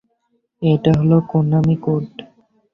এটা হল Konami code.